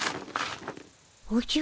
おじゃ。